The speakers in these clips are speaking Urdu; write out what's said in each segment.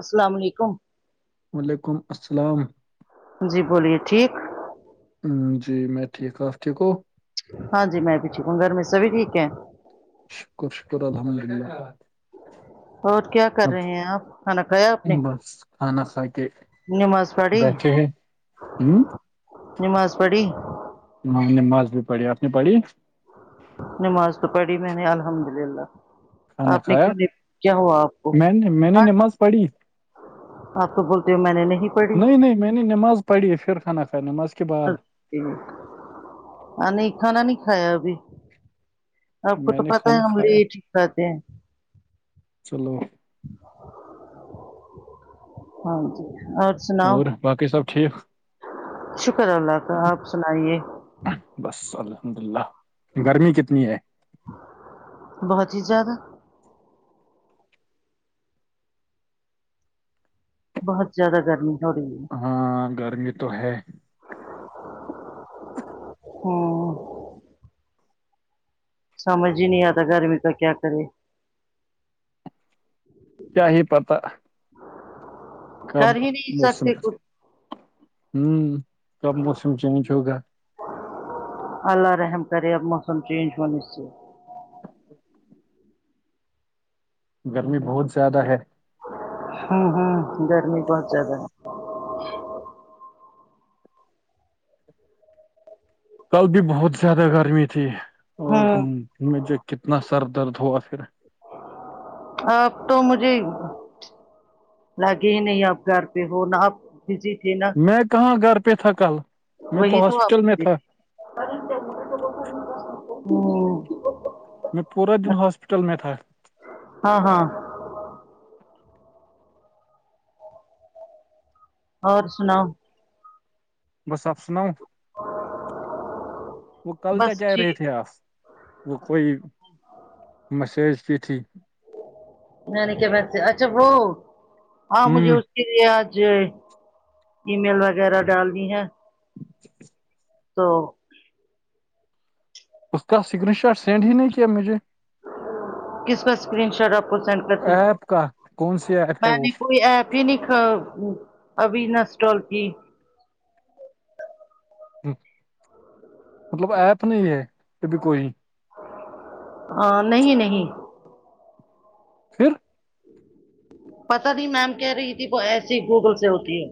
السلام علیکم و ععلیکم السلام جی بولیے ٹھیک جی میں ٹھیک ہ آف کے کو ہاں جی میں بھی ٹھیک ہوں گر میںمیشا بھی ٹھیک ہے شکر شکر الحمد للہ اور کیا کر اب رہے ہیں آپ کھانا کھایا آپ نے بس کھانا کھا کے نماز پڑی کیی نماز پڑھی ہ مز بھی پڑ آپ نے پڑھی نماز تو پڑھی میں نے الحمد للہ کھانا آپ نے کھایا کیوں نہیں کیا ہوا آپ کو میں نے میں نے نماز پڑھی ہاں تو بولتی ہو میں نے نہیں پڑ نہیں نہیں میں نے نماز پڑھی ہے پھر خانہ خا نماز کے بعد ج نہیں کھا نہیں کایا ا بھی آپ کو میں تو نے پت ہے کھانا ہم کھایا لے ٹھیک کرے ہیں چلو ہاں جی ا اور باقی سب ٹھیک شکر اللہ تعالی آپ سنائیے بس الحمد للہ گرمی کتنی ہے بہت ہی زیادہ بہت زیادہ گرمی ہو رہی ہے ہاں گرمی تو ہے ہاں سمجھ ہی نہیں آتا گرمی کا کیا کرے کیا ہی پتہ کب کر ہی نہیں موسم سکتے کچھ ہوں کب موسم چینج ہوگا اللہ رحم کرے اب موسم چینج ہونے سے گرمی بہت زیادہ ہے ہوں ہوں گرمی بہت زیادہ ہے کل بھی بہت زیادہ گرمی تھی اور ہے ہوں مجھے کتنا سر درد ہوا پھر آپ تو مجھے لگے ہی نہیں آپ گھر پہ ہو نہ آپ بزی تھے نہ میں کہاں گھر پہ تھا کل میں وہی تو ہاسپٹل میں آپ تھا ہوں میں پورا دن ہوسپٹل میں تھا ہاں ہاں اور سناؤ بس آپ سناؤ وہ کل کیا بس کہ رہے ٹھیک تھے آپ وہ کوئی مسیج بھی تھی نانی کے بن سے اچھا وہ ہاں مجھے ہ اسکے لیے آج ای میل وغیرہ ڈالنی ہے تو اس کا سگرین شاٹ سینڈ ہی نہیں کیا مجھے کس کا اسکرین شاٹ آپ کو سینڈ کرتی ایپ کا کون سی ایپ ہے میں وہ نے کوئی ایپ پینک ابی نہ اسٹال کی ہمم مطلب ایپ نہیں ہے ابھی کوئی ہاں نہیں نہیں پھر پتا نہیں میم کہہ رہی تھی وہ ایسے ہی گوگل سے ہوتی ہے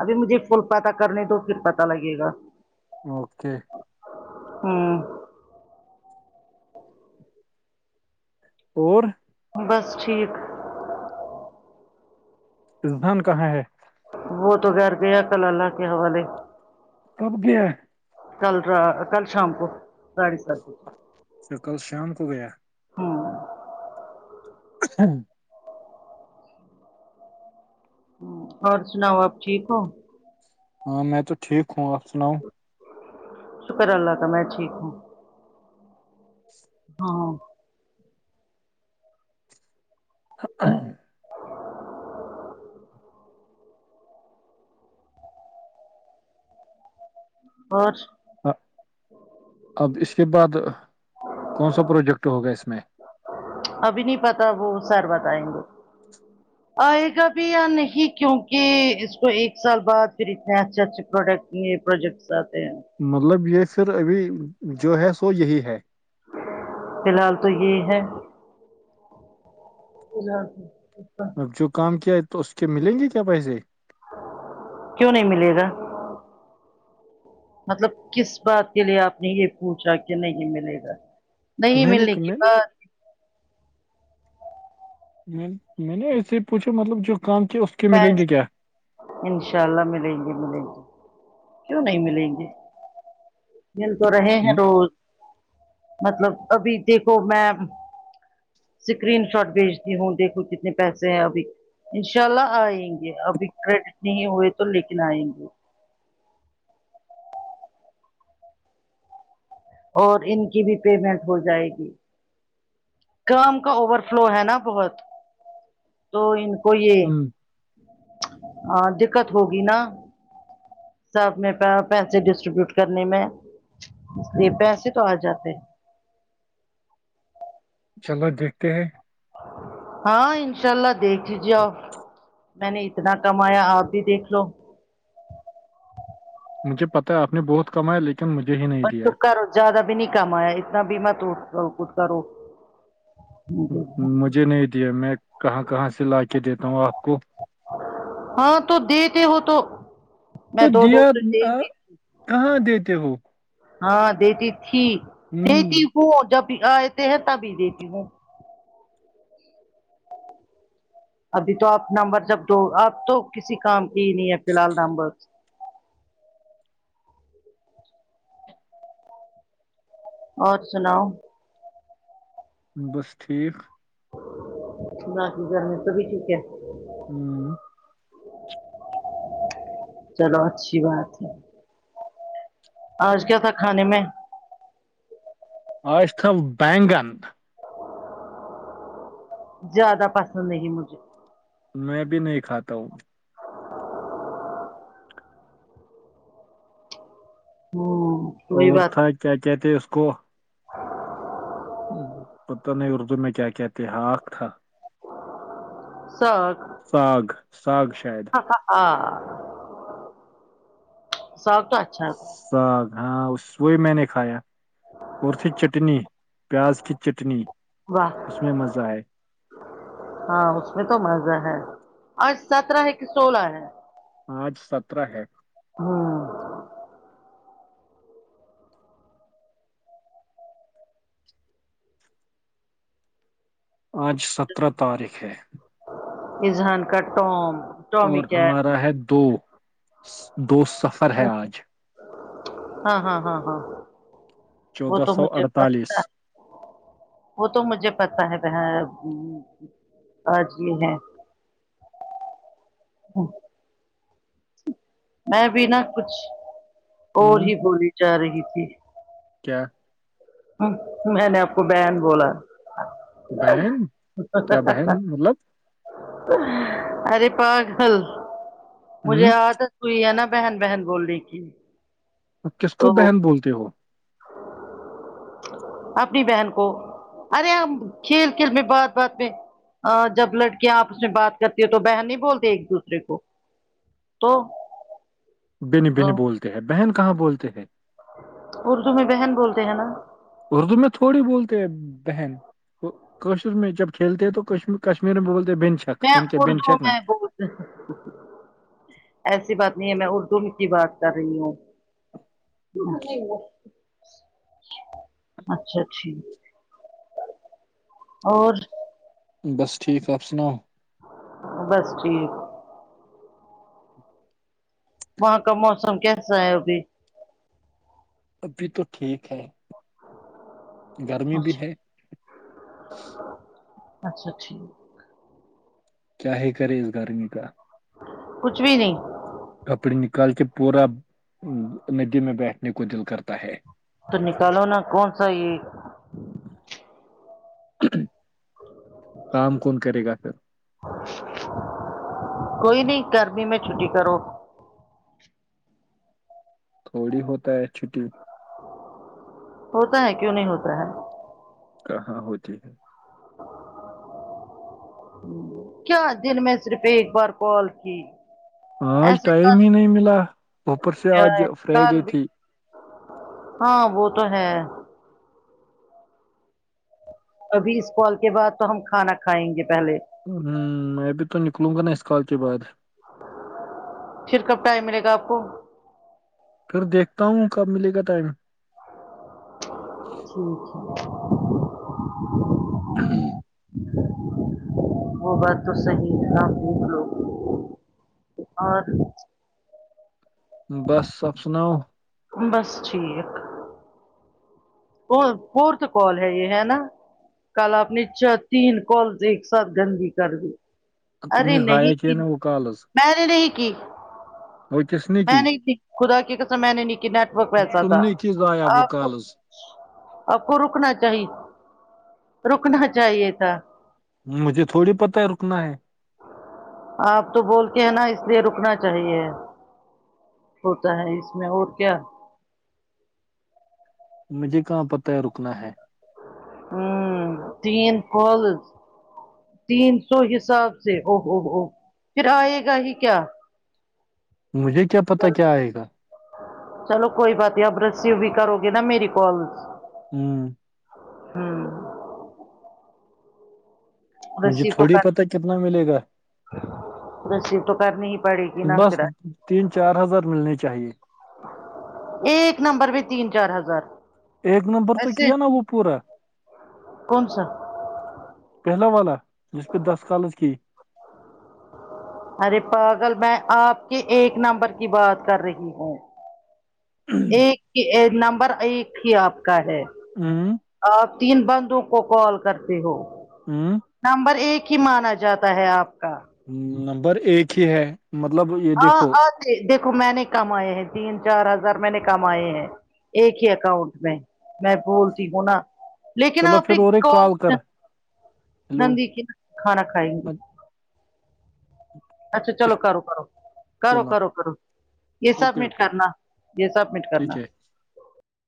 ابھی مجھے فل پتا کرنے دو پھر پتا لگے گا اوکے ہمم اور بس ٹھیک اسدھان کہاں ہے وہ توغیر گیا کل اللہ کے حوالے کب گیا ہے کل ر کل شام کو ساڑھے سات تو کل شام کو گیا ہوں اور سناؤ آپ ٹھیک ہو ہاں میں تو ٹھیک ہوں آپ سناؤ شکر اللہ کا میں ٹھیک ہوں ہاں اور ہاں اب اس کے بعد کون سا پروجیکٹ ہوگا اس میں ابھی نہیں پتا وہ سر بتائیں گے آئے گا بھی یا نہیں کیونکہ اس کو ایک سال بعد پھر اتنے اچھے اچھے پروڈکٹ یہ پروجیکٹس آتے ہیں مطلب یہ پھر ابھی جو ہے سو یہی ہے فی الحال تو یہ ہے پ جا اب جو کام کیا ہے تو اس کے ملیں گے کیا پیسے کیوں نہیں ملے گا مطلب کس بات کے لیے آپ نے یہ پوچھا کہ نہیں ملے گا نہیں میں نے ملنے کی میں نے بات میں میں نے ایسے ہی پوچھا مطلب جو کام کیا اس کے ملیں گے کیا انشاء اللہ ملیں گے ملیں گے کیوں نہیں ملیں گے مل تو رہے ہیں ہم- روز مطلب ابھی دیکھو میں اسکرین شاٹ بھیجتی ہوں دیکھوں کتنے پیسے ہیں ابھی ان شاء اللہ آئیں گے ابھی کریڈٹ نہیں ہوئے تو لیکن آئیں گے اور ان کی بھی پیمنٹ ہو جائے گی کام کا اوور فلو ہے نا بہت تو ان کو یہ ہم، ہاں دقت ہوگی نہا اپ میں پیسے ڈسٹریبیوٹ کرنے میں یہ پیسے تو آ جاتے چلو دیکھتے ہیں ہاں انشاء اللہ دیکھ لیجیے آپ میں نے اتنا کمایا آپ بھی دیکھ لو مجھے پتا ہے آپ نے بہت کمایا لیکن مجھے ہی نہیں دیا بر کرو زیادہ بھی نہیں کام آیا اتنا بھیم تو کر کچھ کرو مجھے نہیں دیا میں کہاں کہاں سے لا کے دیتا ہوں آپ کو ہاں تو دیتے ہو تو میں تو دو دو دیا دیتے آ، کہاں دیتے ہو ہاں دیتی تھی ہ دیتی ہوں جب آتے ہیں تبھی دیتی ہوں ابھی تو آپ نمبر جب دو آپ تو کسی کام کی نہیں ہے فی الحال نمبر اور سناؤ بس ٹھیک نہ کی کرنے تو بھی ٹھیک ہے ہوں چلو اچھی بات ہے آج کیا تھا کھانے میں اج تھا بینگن زیادہ پسند نہیں مجھے میں بھی نہیں کھاتا ہوں ہاں اور تھا کیا کہتے اس کو پت نہیں اردو میں کیا کہتے ہق تھا ساگ ساگ ساگ شاید ہاں سو کا ساگ ہاں اس وہ میں نے کھایا اور تھی چٹنی پیاز کی چٹنی واہ اس میں مزہ آئے ہاں اس میں تو مزہ ہے اور سترہ ہے کہ سولہ ہے آج سترہ ہے ہاں آج سترہ تاریخ ہے اذہان کا ٹوم ٹومی اور کیٹ ہمارا ہے دو دو سفر ہے آج ہاں ہاں ہاں ہاں وہ چودہ تو سو مجھے اڑتالیس پتا وہ تو مجھے پتا ہے آج بھی ہے میں بھی نہا کچھ ہ اور ہی بولی جا رہی تھی کیا میں نے آپ کو بہن بولا بہن کیا بہن مطلب ارے پاگل مجھے ہ یاد ہے کوئی ہے نا بہن بہن بولنے کی کس کو تو بہن بولتے ہو اپنی بہن کو ارے ہم کھیل کھیل میں بات بات میں جب لڑکیاں اپ میں بات کرتی ہو تو بہن نہیں بولتی ایک دوسرے کو تو بن بن بولتے ہیں بہن کہاں بولتے ہیں اردو میں بہن بولتے ہیں نا اردو میں تھوڑی بولتے ہیں بہن کشر میں جب کھیلتے ہیں تو کش کشمیر میں بولتے بنچ میں اردو میں بہت پند ایسی بات نہیں ہے میں اردو میں کی بات کر رہی ہوں نہیں نہیں اچھا ٹھیک اور بس ٹھیک اپ سناو بس ٹھیک وہاں کا موسم کیسا ہے ابھی ابھی تو ٹھیک ہے گرمی بھی اچھا ہے اچھا ٹھیک کیا ہی کرے اس گرمی کا کچھ بھی نہیں کپڑے نکال کے پورا ندی میں بیٹھنے کو دل کرتا ہے تو نکالو نا کون سا یہ کام کون کرے گا پھر کوئی نہیں گرمی میں چھٹی کرو تھوڑی ہوتا ہے چھٹی ہوتا ہے کیوں نہیں ہوتا ہے کہاں ہوتی ہے کیا دن میں صرف ایک بار کال کی اج ایسے ٹائم ہی کیا نہیں ملا بپر سے اج ہے فرائیڈے کل بھی تھی ہاں وہ تو ہے ابھی اس کال کے بعد تو ہم کھانا کھائیں گے پہلے ہوں میں ابھی تو نکلوں گا نا اس کال کے بعد پھر کب ٹائم ملے گا اپ کو پھر دیکھتا ہوں کب ملے گا ٹائم ٹھیک ہے ہ وہ بات تو صحی تھا لو اور بس اپ سناو بس ٹھیک تو فورتھ کال ہے یہ ہے نا کل اپ نے چ تین کالز ایک ساتھ گندگی کر دی تم ارے نے نہیں ضائع کیا کی نا وہ کالز میں نے نہیں کی وہ کس نے میں کی نہیں خدا کی کسم میں نے نہیں کی نیٹورک ویسا تھا تم نے کی ضائع وہ اپ کو کالز اپ کو رکنا چاہیے رکنا چاہیے تھا مجھے تھوڑی پتہ ہے رکنا ہے اپ تو بول کے ہے نا اس لیے رکنا چاہیے ہوتا ہے اس میں اور کیا مجھے کہاں پتہ ہے رکنا ہے ہوں تین پالز تین سو حساب سے اووو پھر ائے گا ہی کیا مجھے کیا پتا کیا آئے گا چلو کوئی بات نہیں اب رسیو بھی کرو گے نا میری کال ہوم ہوں مجھے ریسیو تو تھوڑی کر پتہ کتنا ملے گا ریسیو تو کرنی ہی پڑے گی نا بس پھر تین چار ہزار ملنے چاہیے ایک نمبر پہ تین چار ہزار ایک نمبر تو ایسے کیا نا وہ پورا کون سا پہلا والا جس پہ دس کالج کی ارے پاگل میں آپ کے ایک نمبر کی بات کر رہی ہوں ایک نمبر ایک ہی آپ کا ہے ہمم آپ تین بندوں کو کال کرتے ہو ہمم نمبر ایک ہی مانا جاتا ہے آپ کا نمبر ایک ہی ہے مطلب یہ ہاں دیکھو آتے دیکھو میں نے کمائے ہیں تین چار ہزار میں نے کمائے ہیں ایک ہی اکاؤنٹ میں میں بولتی ہوں نا لیکن چلو آپ اپنی پھر اور ایک کال کر ہیلو نندی کھانا کھائیں گے اچ- اچھا چلو کرو کرو کرو چلو کرو کرو یہ سب اوکے مٹ اوکے کرنا یہ سب مٹ کرنا ٹھیک ہے